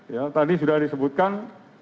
ya tadi sudah disebutkan